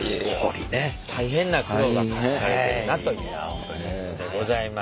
大変な苦労が隠されてるなということでございます。